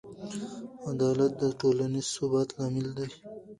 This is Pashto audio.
عدالت د ټولنیز ثبات لامل دی.